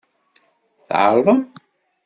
Tɛerḍem.